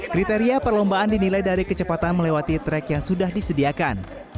kriteria perlombaan dinilai dari kecepatan melewati track yang sudah disediakan